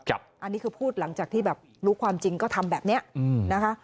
อันนี้คือพูดหลังจากที่แบบรู้ความจริงก็ทำแบบนี้นะคะ